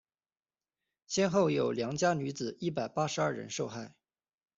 先后有良家女子一百八十二人受害。